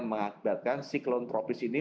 mengakibatkan siklon propis ini